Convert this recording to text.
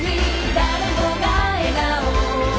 「誰もが笑顔」